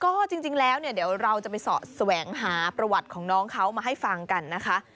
ก็จริงแล้วเนี่ยเดี๋ยวเราจะไปแสวงหาประวัติของน้องเขามาให้ฟังกันนะคะ